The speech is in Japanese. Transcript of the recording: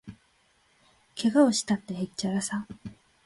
けがをしたって、へっちゃらさ